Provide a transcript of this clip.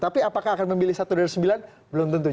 tapi apakah akan memilih satu dari sembilan belum tentu